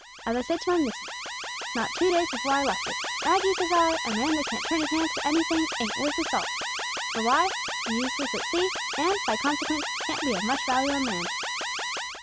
As I said to my missus, not two days before I left 'er: `Maggie,' says I, `a man that can't turn his hands to anything ain't worth his salt. For why? He's useless at sea, an', by consequence, can't be of much value on land.'"